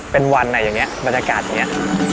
เป็นวันอ่ะอย่างนี้บรรยากาศอย่างนี้